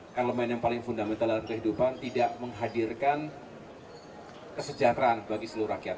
parlemen yang paling fundamental dalam kehidupan tidak menghadirkan kesejahteraan bagi seluruh rakyat